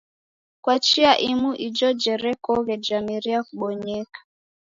Kwa chia imu ijo jerekoghe jameria kubonyeka.